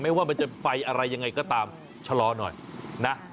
ว่ามันจะไฟอะไรยังไงก็ตามชะลอหน่อยนะ